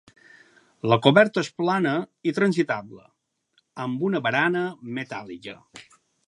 La coberta es plana i transitable, amb una barana metàl·lica.